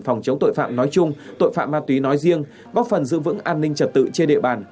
phòng chống tội phạm nói chung tội phạm ma túy nói riêng bóc phần giữ vững an ninh trật tự trên địa bàn